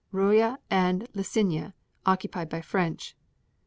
Roye and Lassigny occupied by French.